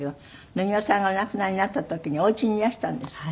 野際さんがお亡くなりになった時におうちにいらしたんですって？